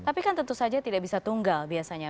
tapi kan tentu saja tidak bisa tunggal biasanya